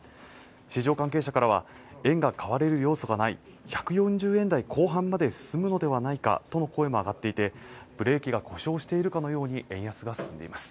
市場関係者からは円が買われる要素がない１４０円台後半まで進むのではないかとの声も上がっていてブレーキが故障しているかのように円安が進んでいます